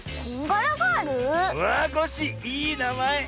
あっコッシーいいなまえ。